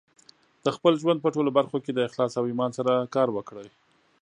د خپل ژوند په ټولو برخو کې د اخلاص او ایمان سره کار وکړئ.